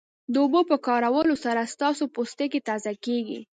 د اوبو په کارولو سره ستاسو پوستکی تازه کیږي